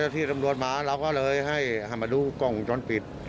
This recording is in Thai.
ที่ตำรวจมาเราก็เลยให้มาดูกล้องจรปิด